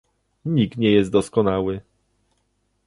nikt nie jest doskonały